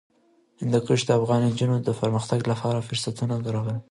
هندوکش د افغان نجونو د پرمختګ لپاره فرصتونه برابروي.